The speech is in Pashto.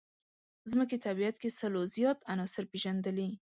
ځمکې طبیعت کې سلو زیات عناصر پېژندلي.